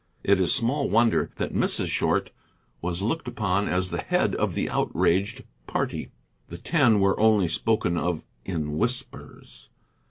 It is small wonder that Mrs. Short was looked upon as the head of the outraged party. The Ten were only spoken of in whispers.